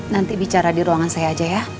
nanti bicara di ruangan saya aja ya